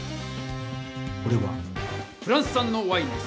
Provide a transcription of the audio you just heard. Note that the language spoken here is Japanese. これはフランスさんのワインです。